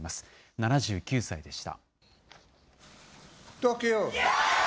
７９歳でした。